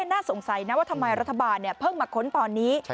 น่าสงสัยนะว่าทำไมรัฐบาลเพิ่งมาค้นตอนนี้